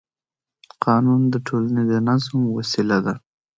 قانون د ټولنې د نظم وسیله ده